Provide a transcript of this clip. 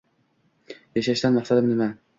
Yashashdan maqsadim nima?”